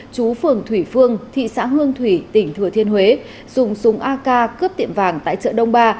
chú phường thủy phương thị xã hương thủy tỉnh thừa thiên huế dùng súng ak cướp tiệm vàng tại chợ đông ba